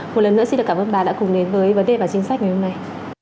một lần nữa xin được cảm ơn bà đã cùng đến với vấn đề và chính sách ngày hôm nay